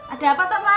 ada apa toh ma